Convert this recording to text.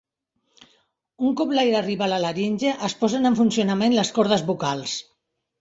Un cop l'aire arriba a la laringe, es posen en funcionament les cordes vocals.